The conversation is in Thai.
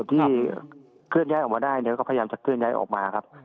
ที่เคลื่อนย้ายออกมาได้เนี่ยก็พยายามจะเคลื่อนย้ายออกมาครับ